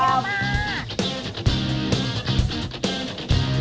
เปมมา